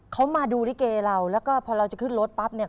เขามาดูลิเกเราแล้วก็พอเราจะขึ้นรถปั๊บเนี่ย